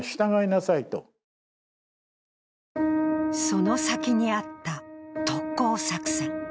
その先にあった特攻作戦。